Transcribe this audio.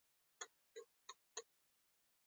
ښاري ښکلا د ښار اقتصادي ارزښت لوړوي.